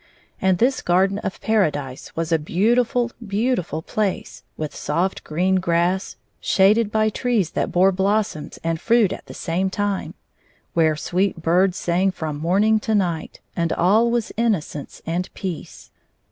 And this garden of paradise was a beautiftd^ beautiftd place, with soft green grass shaded by ii8 trees that bore blossoms and fruit at the same time ; where sweet birds sang from mommg to night, and all was innocence and peace.